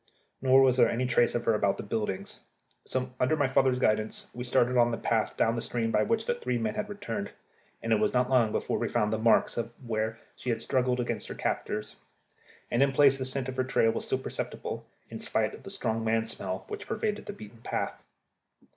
Nor was there any trace of her about the buildings. So under my father's guidance we started on the path down the stream by which the three men had returned, and it was not long before we found the marks of where she had struggled against her captors, and in places the scent of her trail was still perceptible, in spite of the strong man smell which pervaded the beaten path.